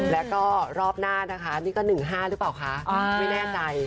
แล้วก็รอบหน้านะคะนี่ก็๑๕หรือเปล่าคะไม่แน่ใจ